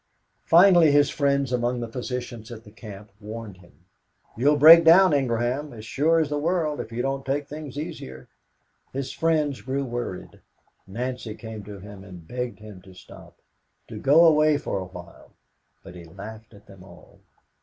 Finally his friends among the physicians at the camp warned him, "You will break down, Ingraham, as sure as the world if you don't take things easier." His friends grew worried. Nancy came to him and begged him to stop, to go away for a while; but he laughed at them all.